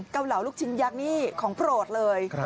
เกาเหลาลูกชิ้นยักษ์นี่ของโปรดเลย